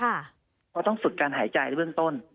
เพราะต้องฝึกการหายใจในเบื้องต้น